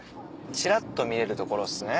ちらっと見れる所っすね